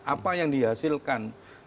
apa yang dihasilkan